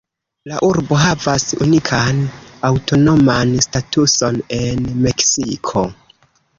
La urbo havas unikan aŭtonoman statuson en Meksiko.